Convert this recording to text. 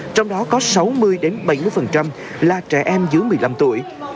trong đó có sáu mươi bảy mươi là trẻ em dưới một mươi năm tuổi